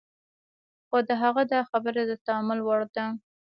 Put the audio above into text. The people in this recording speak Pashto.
خو د هغه دا خبره د تأمل وړ ده.